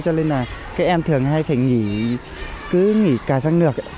cho nên là các em thường hay phải nghỉ cứ nghỉ cà răng nược